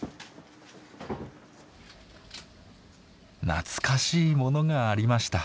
懐かしいものがありました。